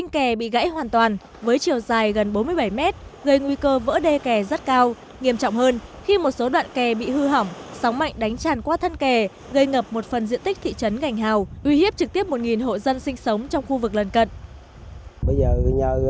kè bị gãy hoàn toàn với chiều dài gần bốn mươi bảy mét gây nguy cơ vỡ đê kè rất cao nghiêm trọng hơn khi một số đoạn kè bị hư hỏng sóng mạnh đánh tràn qua thân kè gây ngập một phần diện tích thị trấn gành hào uy hiếp trực tiếp một hộ dân sinh sống trong khu vực lần cận